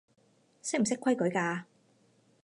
識唔識規矩㗎